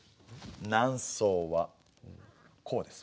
南宋はこうです。